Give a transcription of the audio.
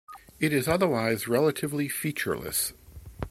It is otherwise relatively featureless.